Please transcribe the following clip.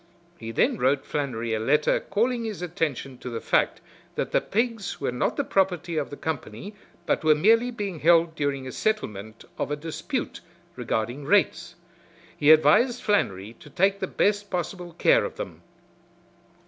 He then wrote Flannery a letter calling his attention to the fact that the pigs were not the property of the company but were merely being held during a settlement of a dispute regarding rates. He advised Flannery to take the best possible care of them.